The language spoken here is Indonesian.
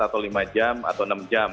atau lima jam atau enam jam